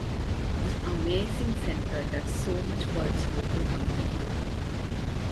This amazing centre does so much for its local community.